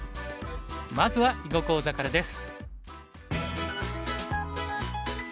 まずは囲碁講座からです。